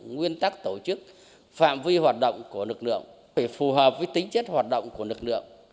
nguyên tắc tổ chức phạm vi hoạt động của lực lượng phải phù hợp với tính chất hoạt động của lực lượng